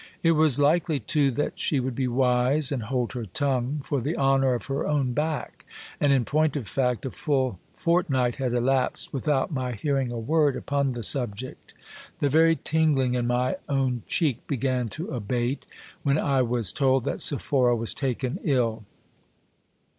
It was likely, too, that she would be wise and hold her tongue, for the honour of her own back : and, in point of fact, a full fortnight had elapsed without my hearing a word upon the subject. The very tingling in my own cheek began to abate, when I was told that Sephora was taken ill.